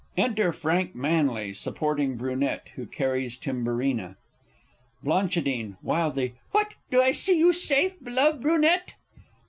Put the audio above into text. "] Enter FRANK MANLY supporting BRUNETTE, who carries TIMBURINA. Bl. (wildly). What, do I see you safe, beloved Brunette? _Br.